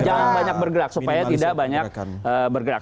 jangan banyak bergerak supaya tidak banyak bergerak